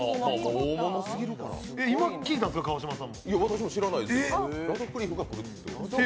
今、聞いたんですか、川島さんも。